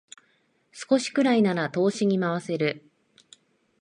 少しくらいなら投資に回せる